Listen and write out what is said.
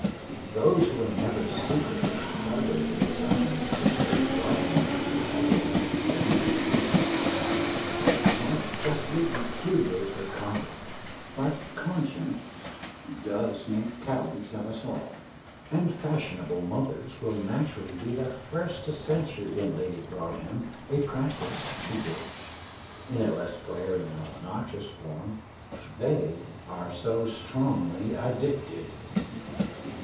Those who have never secretly harboured the designs which Lady Broadhem in the agony of a financial crisis avowed, might justly repudiate her conduct; but "conscience does make cowards of us all," and fashionable mothers will naturally be the first to censure in Lady Broadhem a practice to which, in a less glaring and obnoxious form, they are so strongly addicted.